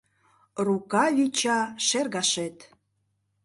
Рука-вича шергашет.